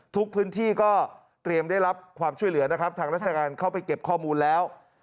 ทุกพื้นที่ก็เตรียมได้รับความช่วยเหลือนะครับทางราชการเข้าไปเก็บข้อมูลแล้ว